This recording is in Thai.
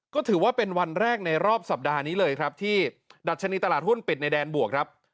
ก็ถือว่าเป็นวันแรกในรอบสัปดาห์นี้เลยครับที่ดัชนีตลาดหุ้นปิดในแดนบวกครับ